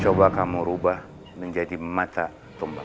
coba kamu ubah menjadi mata tumbal